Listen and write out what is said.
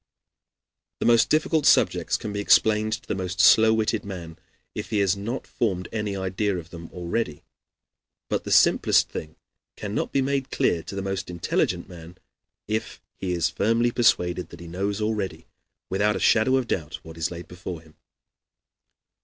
The most difficult subjects can be explained to the most slow witted man if he has not formed any idea of them already; but the simplest thing cannot be made clear to the most intelligent man if he is firmly persuaded that he knows already, without a shadow of doubt, what is laid before him.